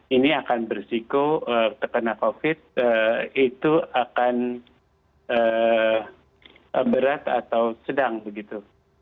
ini akan bersiku terkena covid itu akan berat atau sedang begitu